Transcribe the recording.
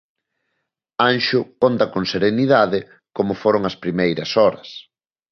Anxo conta con serenidade como foron as primeiras horas.